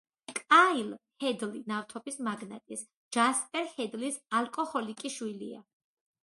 კაილ ჰედლი ნავთობის მაგნატის, ჯასპერ ჰედლის ალკოჰოლიკი შვილია.